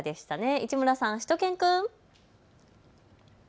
市村さん、しゅと犬くん。